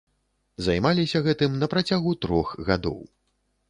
Займаліся гэтым на працягу трох гадоў.